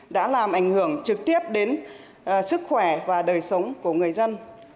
đã làm ảnh hưởng trực tiếp đến sức khỏe và đời sống của người dân